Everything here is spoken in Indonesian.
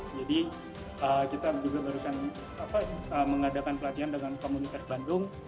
jadi kita juga barusan mengadakan pelatihan dengan komunitas bandung